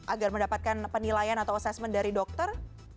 agar mendapatkan penilaian atau assessment dari dokter